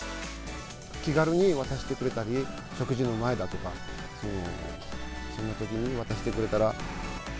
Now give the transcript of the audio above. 気軽に渡してくれたり、食事の前だとか、そんなときに渡してくれたら。